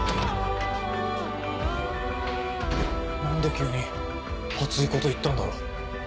何で急に熱いこと言ったんだろう？